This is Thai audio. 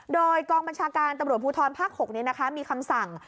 โดยกองบัญชาการตำรวจภูทรภาค๖นี้มีคำสั่ง